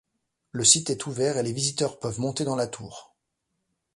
Le site est ouvert et les visiteurs peuvent monter dans la tour.